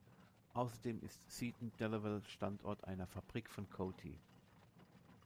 Außerdem ist Seaton Delaval Standort einer Fabrik von Coty.